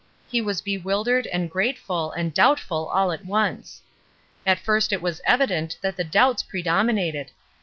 He was bewildered and grateful and doubtful all at once. At first it was evi dent that the doubts predominated.